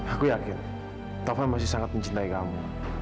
aku yakin taufan masih sangat mencintai kamu